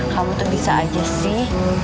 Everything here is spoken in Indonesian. kamu tuh bisa aja sih